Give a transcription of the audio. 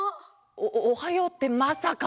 おおはようってまさか！？